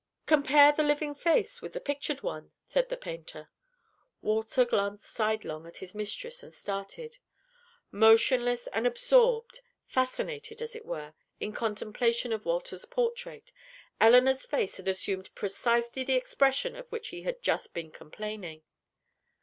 "Compare the living face with the pictured one," said the painter. Walter glanced sidelong at his mistress and started. Motionless and absorbed fascinated as it were in contemplation of Walter's portrait, Elinor's face had assumed precisely the expression of which he had just been complaining.